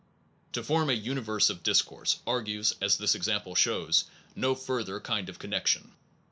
To form a universe of discourse argues, as this example shows, no further kind of connection.